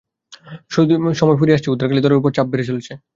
সময় ফুরিয়ে আসছে, উদ্ধারকারী দলের ওপর চাপ বেড়ে চলেছে।